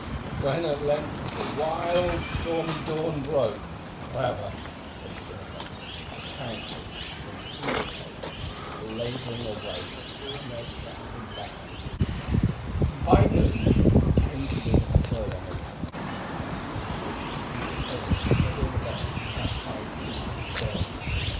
When at length the wild, stormy dawn broke, however, they saw her, apparently in an evil case, labouring away upon their starboard bow, and by noon came to within a furlong of her, so that they could see the sailors crawling about on her high poop and stern.